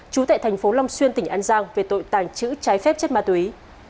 trú tại thành phố long xuyên tỉnh an giang về tội tàng trữ trái phép chất ma túy